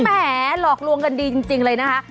แหมหลอกลวงกันดีจริงเลยนะคะ